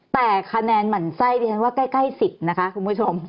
แต่คะแนนหมั่นไส้ดิฉันว่าใกล้๑๐นะคะคุณผู้ชม